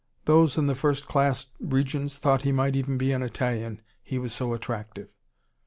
Those in the first class regions thought he might even be an Italian, he was so attractive.